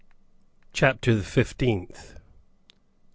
CHAPTER THE FIFTEENTH.